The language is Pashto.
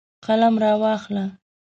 قلم راواخله.